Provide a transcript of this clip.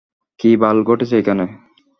কি বাল ঘটেছে এখানে?